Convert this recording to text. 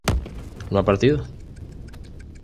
¿no ha partido?